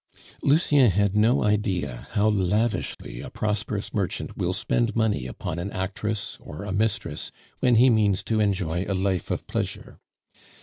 Lucien had no idea how lavishly a prosperous merchant will spend money upon an actress or a mistress when he means to enjoy a life of pleasure.